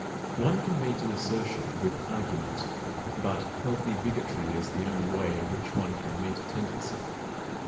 One can meet an assertion with argument; but healthy bigotry is the only way in which one can meet a tendency.